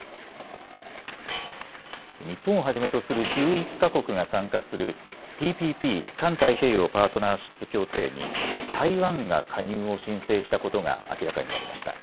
日本をはじめとする１１か国が参加するＴＰＰ環太平洋パートナーシップ協定に台湾が加入を申請したことが明らかになりました。